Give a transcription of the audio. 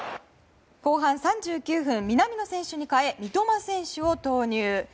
後半３９分南野選手に代え三笘選手を投入。